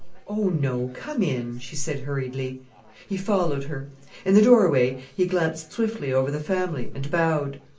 "Oh no, come in," she said hurriedly. He followed her. In the doorway, he glanced swiftly over the family, and bowed.